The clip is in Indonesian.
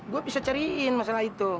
gue bisa cariin masalah itu